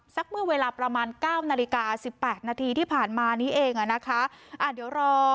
เมื่อเวลาประมาณเก้านาฬิกาสิบแปดนาทีที่ผ่านมานี้เองอ่ะนะคะอ่าเดี๋ยวรอ